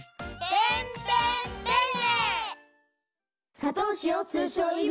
ペンペンペンネ。